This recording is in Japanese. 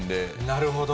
なるほど。